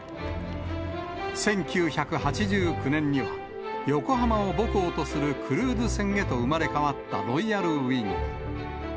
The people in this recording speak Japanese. １９８９年には横浜を母港とするクルーズ船へと生まれ変わったロイヤルウイング。